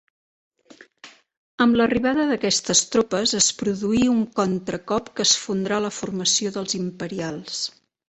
Amb l'arribada d'aquestes tropes es produí un contracop que esfondrà la formació dels imperials.